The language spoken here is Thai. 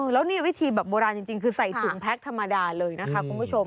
แล้วนี่วิธีแบบโบราณจริงคือใส่ถุงแพ็คธรรมดาเลยนะคะคุณผู้ชม